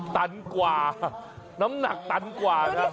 ตันกว่าน้ำหนักตันกว่าครับ